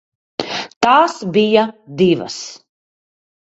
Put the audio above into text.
Tās bija divas.